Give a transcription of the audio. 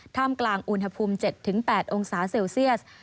ท่ามกลางอุณหภูมิ๗๘องศาเซลเซียส